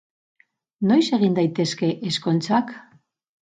Noiz egin daitezke ezkontzak?